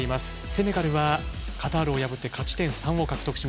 セネガルはカタールを破って勝ち点３獲得。